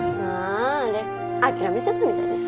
あああれ諦めちゃったみたいです。